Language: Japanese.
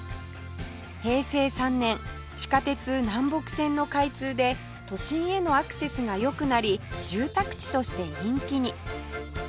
平成３年地下鉄南北線の開通で都心へのアクセスが良くなり住宅地として人気に